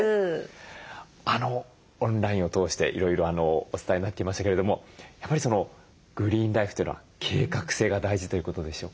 オンラインを通していろいろお伝えになっていましたけれどもやっぱりグリーンライフというのは計画性が大事ということでしょうか？